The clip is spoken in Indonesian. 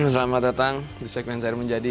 selamat datang di sekmen sari menjadi